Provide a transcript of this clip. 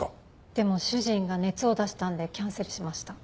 でも主人が熱を出したんでキャンセルしました。